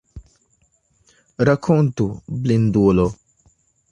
Rakontu, blindulo!